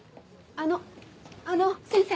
あのあの先生！